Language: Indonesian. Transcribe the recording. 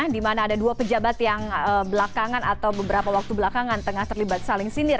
di mana ada dua pejabat yang belakangan atau beberapa waktu belakangan tengah terlibat saling sindir